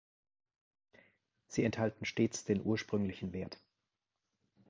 Sie enthalten stets den ursprünglichen Wert.